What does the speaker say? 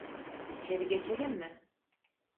İçeri geçelim mi?